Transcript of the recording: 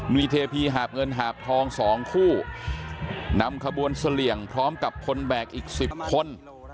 มีเทพีหาบเงินหาบทอง๒คู่นำขบวนเสลี่ยงพร้อมกับคนแบกอีก๑๐คน